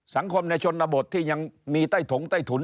สังคมในชนบทที่ยังมีใต้ถงใต้ถุน